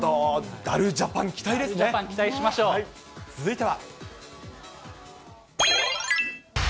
ダルジャパン、期待しましょ続いては。